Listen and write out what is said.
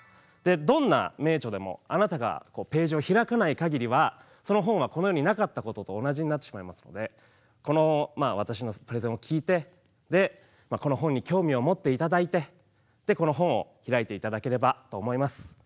どんな名著でもあなたがページを開かないかぎりはその本はこの世になかったことと同じになってしまいますのでこの私のプレゼンを聞いてこの本に興味を持っていただいてこの本を開いていただければと思います。